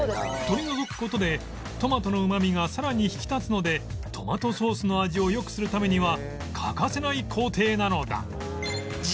取り除く事でトマトのうまみがさらに引き立つのでトマトソースの味を良くするためには欠かせない工程なのだ